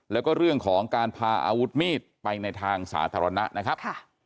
แล้วก็เรื่องของการพาอาวุธมีดไปในทางสาธารณะนะครับ